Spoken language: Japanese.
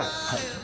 はい。